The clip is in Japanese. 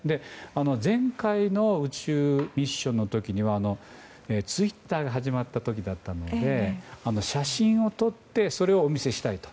前回の宇宙ミッションの時にはツイッターが始まった時だったので写真を撮ってそれをお見せしたいと。